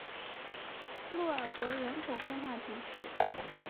洛尔格人口变化图示